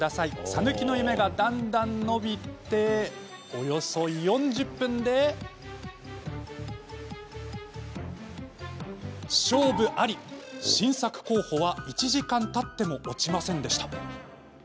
さぬきの夢がだんだん伸びておよそ４０分で新作候補は１時間たっても落ちませんでした。